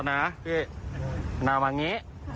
พี่เขาบอกพี่ไปขยับกระจก๕๖ทีเพื่อมองหน้ามองเขาเนี่ยจริงมั้ย